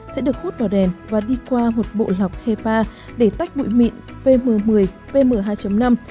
sẽ được hút vào đèn và đi qua một bộ lọc hepa để tách bụi mịn pm một mươi pm hai năm